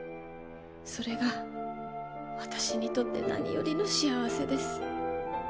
「それが私にとって何よりの幸せです」